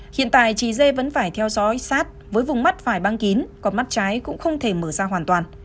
hiện tại chị dê vẫn phải theo dõi sát với vùng mắt phải băng kín có mắt trái cũng không thể mở ra hoàn toàn